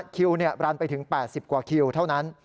คิวรันไปถึง๘๐กว่าคิวเท่านั้น